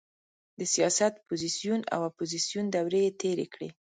د سیاست پوزیسیون او اپوزیسیون دورې یې تېرې کړې.